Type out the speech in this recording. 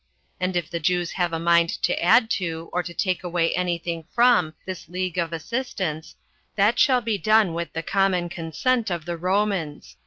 And if the Jews have a mind to add to, or to take away any thing from, this league of assistance, that shall be done with the common consent of the Romans.